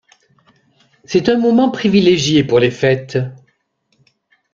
C’est un moment privilégié pour les fêtes.